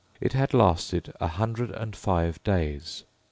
It had lasted a hundred and five days.